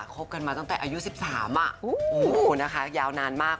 คบกันมาตั้งแต่อายุ๑๓นะคะยาวนานมาก